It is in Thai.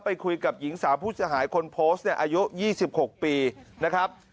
ไปคุยกับหญิงสาวผู้สาหายคนโพสต์อายุ๒๖ปีนะครับ